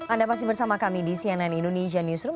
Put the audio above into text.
anda masih bersama kami di cnn indonesia newsroom